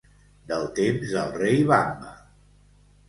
Del temps del rei Wamba.